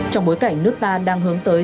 trong bối cảnh nước ta đang hướng tới